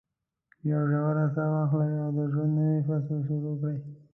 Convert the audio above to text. یوه ژوره ساه واخلئ او د ژوند نوی فصل شروع کړئ.